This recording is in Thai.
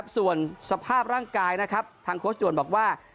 ส่วนสภาพร่างกายนะครับทางโค้ชด่วนบอกว่า